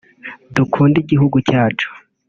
dukunde igihugu cyacu